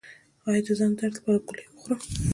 ایا زه د ځان درد لپاره ګولۍ وخورم؟